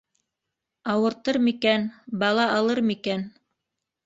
Ауыртыр микән, бала алыр микән?